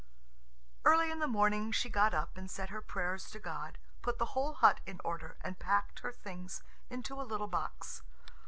Early in the morning she got up and said her prayers to God, put the whole hut in order, and packed her things into a little box.